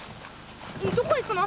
どこ行くの？